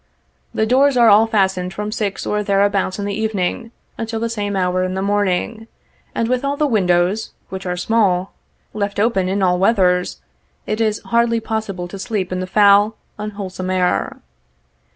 The doors are all fastened from six or thereabouts in the evening, until the same hour in the morning, and with all the windows (which are small) left open in all weathers, it is hardly possible to sleep in the foul, unwholesome air.